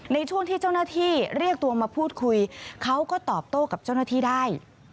ในช่วงที่เจ้าหน้าที่เรียกตัวมาพูดคุยเขาก็ตอบโต้กับเจ้าหน้าที่ได้